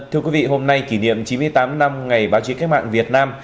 thưa quý vị hôm nay kỷ niệm chín mươi tám năm ngày báo chí cách mạng việt nam